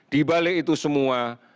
di balik itu semua